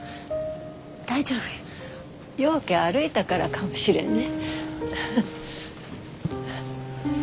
ようけ歩いたからかもしれんね。